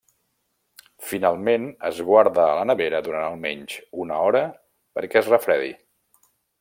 Finalment, es guarda a la nevera durant almenys una hora perquè es refredi.